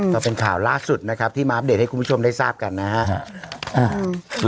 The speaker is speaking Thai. ก็เป็นข่าวล่าสุดนะครับที่มาอัปเดตให้คุณผู้ชมได้ทราบกันนะครับ